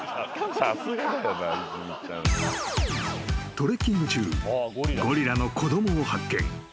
［トレッキング中ゴリラの子供を発見］